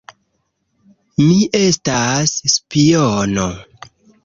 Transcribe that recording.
Mi estas spiono